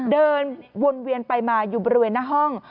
เดินวนเวียนไปมาอยู่บริเวณหน้าห้อง